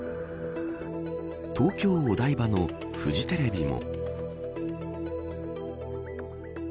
東京、お台場のフジテレビも。